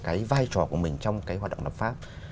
cái vai trò của mình trong cái hoạt động lập pháp